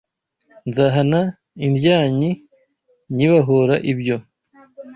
Nzahana indyanyi nyibahora ibyo